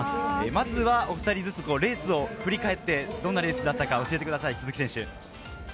お１人ずつ、レースを振り返ってどんなレースだったか教えてくだ